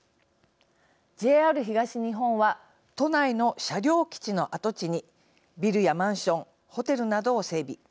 ＪＲ東日本は都内の車両基地の跡地にビルやマンションホテルなどを整備。